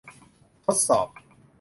ทดสอบ